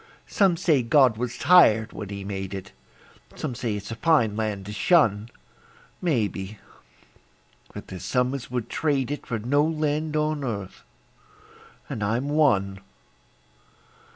Some say God was tired when He made it; Some say it's a fine land to shun; Maybe; but there's some as would trade it For no land on earth and I'm one.